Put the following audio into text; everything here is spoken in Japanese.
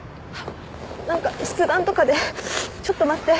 何か筆談とかでちょっと待って。